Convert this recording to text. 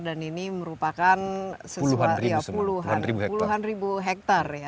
dan ini merupakan puluhan ribu hektar